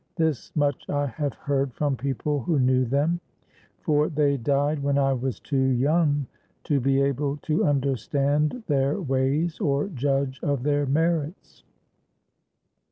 This much I have heard from people who knew them; for they died when I was too young to be able to understand their ways or judge of their merits.